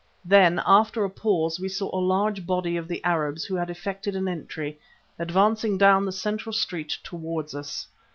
Then, after a pause, we saw a large body of the Arabs who had effected an entry, advancing down the central street towards us.